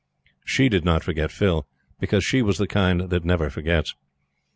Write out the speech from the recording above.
She did not forget Phil, because she was of the kind that never forgets.